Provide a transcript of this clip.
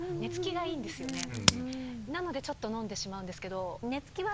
なので飲んでしまうんですけど。